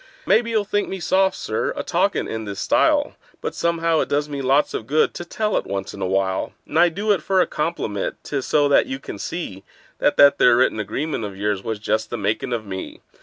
Maybe you'll think me soft, Sir, a talkin' in this style, But somehow it does me lots of good to tell it once in a while; And I do it for a compliment—'tis so that you can see That that there written agreement of yours was just the makin' of me.